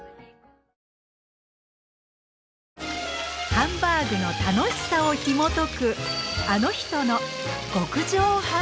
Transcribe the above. ハンバーグの楽しさをひもとく